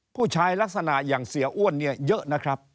ลักษณะอย่างเสียอ้วนเนี่ยเยอะนะครับ